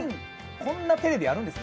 こんなテレビあるんですね。